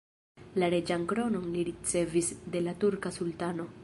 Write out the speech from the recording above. La reĝan kronon li ricevis de la turka sultano.